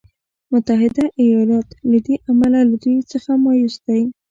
متحده ایالات له دې امله له دوی څخه مایوس دی.